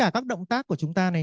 cái động tác của chúng ta này